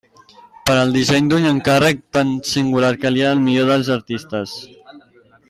Per al disseny d'un encàrrec tan singular calia el millor dels artistes: